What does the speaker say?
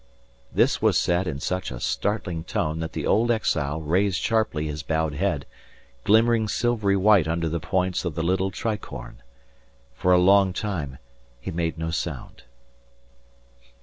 This was said in such a startling tone that the old exile raised sharply his bowed head, glimmering silvery white under the points of the little tricorne. For a long time he made no sound.